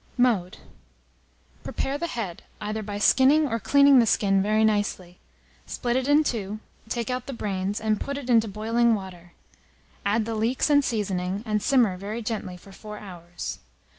Mode. Prepare the head, either by skinning or cleaning the skin very nicely; split it in two; take out the brains, and put it into boiling water; add the leeks and seasoning, and simmer very gently for 4 hours.